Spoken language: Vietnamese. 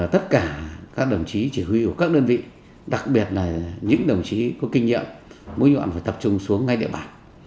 tất cả các đồng chí chỉ huy của các đơn vị đặc biệt là những đồng chí có kinh nghiệm mũi nhọn phải tập trung xuống ngay địa bàn